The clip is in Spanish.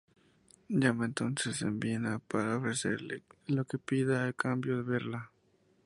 Llama entonces a en Viena, para ofrecerle lo que pida a cambio de verla.